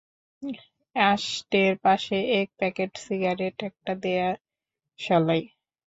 অ্যাশটের পাশে এক packet cigarette, একটা দেয়াশলাই।